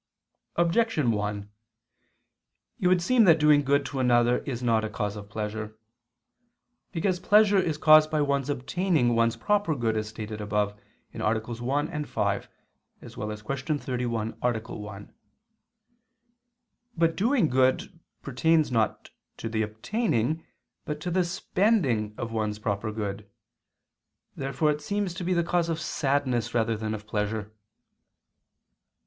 Objection 1: It would seem that doing good to another is not a cause of pleasure. Because pleasure is caused by one's obtaining one's proper good, as stated above (AA. 1, 5; Q. 31, A. 1). But doing good pertains not to the obtaining but to the spending of one's proper good. Therefore it seems to be the cause of sadness rather than of pleasure.